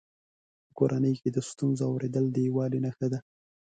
په کورنۍ کې د ستونزو اورېدل د یووالي نښه ده.